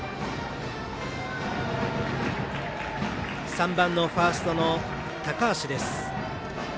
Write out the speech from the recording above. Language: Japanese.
３番のファーストの高橋です。